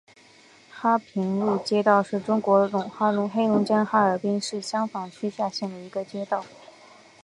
哈平路街道是中国黑龙江省哈尔滨市香坊区下辖的一个街道。